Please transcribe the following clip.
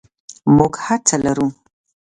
موږ هر څه لرو